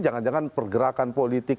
jangan jangan pergerakan politik